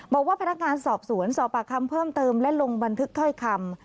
บอกว่าพนักงานสอบสวนสอบปากคำเพิ่มเติมและลงบันทึกถ้อยคำ